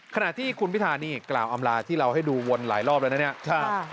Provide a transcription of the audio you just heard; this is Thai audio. ขณะที่คุณพิธานี่กล่าวอำลาที่เราให้ดูวนหลายรอบแล้วนะเนี่ย